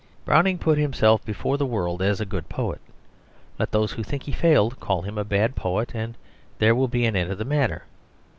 Browning put himself before the world as a good poet. Let those who think he failed call him a bad poet, and there will be an end of the matter.